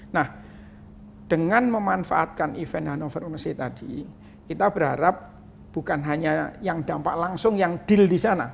nah dengan memanfaatkan event hannover umness tadi kita berharap bukan hanya yang dampak langsung yang deal di sana